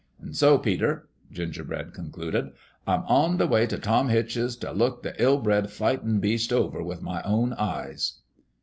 An' so, Peter," Gingerbread concluded, " I'm on the way t' Tom Hitch's t' look the ill bred fightin' beast over with my own eyes."